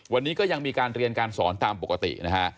วันนี้ก็ยังมีการเรียนการสอนตามปกตินะฮะ